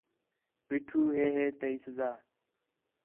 پیٹھو ہے ہے تی سزا ہے